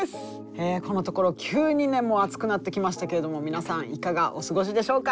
このところ急にね暑くなってきましたけれども皆さんいかがお過ごしでしょうか。